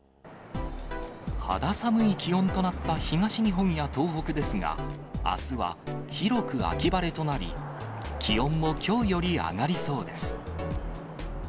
肌寒い気温となった東日本や東北ですが、あすは広く秋晴れとなり、気温もきょうより上がりそうです。